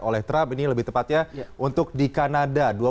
oleh trump ini lebih tepatnya untuk di kanada